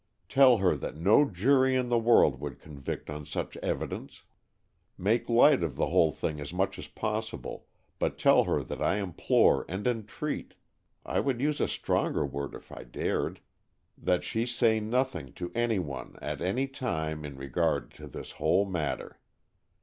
Tell her that no jury in the world would convict on such evidence. Make light of the whole thing as much as possible, but tell her that I implore and entreat I would use a stronger word if I dared that she say nothing to any one at any time in regard to this whole matter.